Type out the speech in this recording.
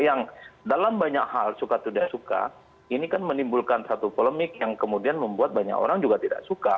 yang dalam banyak hal suka tidak suka ini kan menimbulkan satu polemik yang kemudian membuat banyak orang juga tidak suka